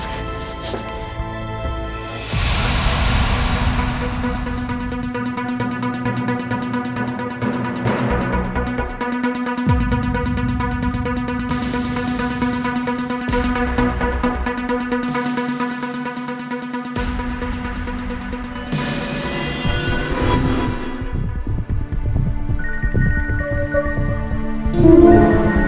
terima kasih pak